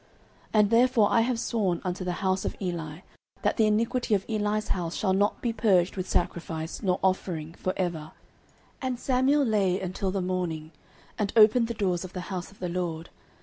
09:003:014 And therefore I have sworn unto the house of Eli, that the iniquity of Eli's house shall not be purged with sacrifice nor offering for ever. 09:003:015 And Samuel lay until the morning, and opened the doors of the house of the LORD.